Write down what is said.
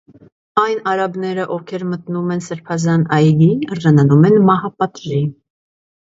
Այն արաբները, ովքեր մտնում են սրբազան այգի, արժանանում են մահապատժի։